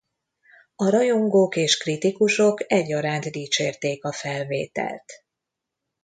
A rajongók és kritikusok egyaránt dicsérték a felvételt.